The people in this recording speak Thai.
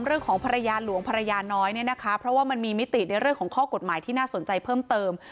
เรื่องของภรรยาหลวงภรรยาน้อยเนี่ยนะคะเพราะว่ามันมีมิติในเรื่องของข้อกฎหมายที่น่าสนใจเพิ่มเติม